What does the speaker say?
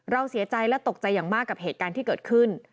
เสียใจและตกใจอย่างมากกับเหตุการณ์ที่เกิดขึ้น